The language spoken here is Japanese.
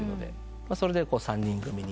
それで３人組に。